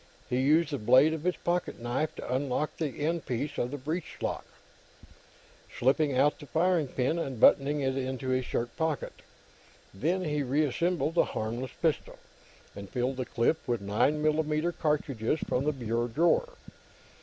He used the blade of his pocketknife to unlock the endpiece of the breechblock, slipping out the firing pin and buttoning it into his shirt pocket. Then he reassembled the harmless pistol, and filled the clip with 9 millimeter cartridges from the bureau drawer.